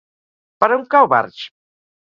Per on cau Barx?